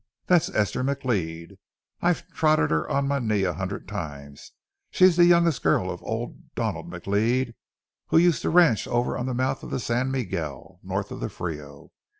That's Esther McLeod. I've trotted her on my knee a hundred times. She's the youngest girl of old man Donald McLeod who used to ranch over on the mouth of the San Miguel, north on the Frio.